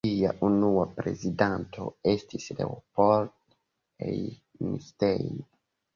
Ĝia unua prezidanto estis Leopold Einstein.